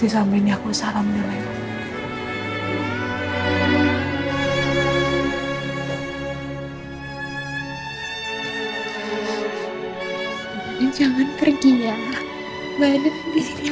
bapaknya semua keluarga kita